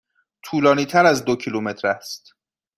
طولانی تر از دو کیلومتر است.